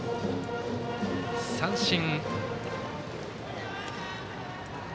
三振。